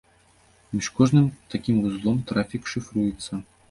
Між кожным такім вузлом трафік шыфруецца.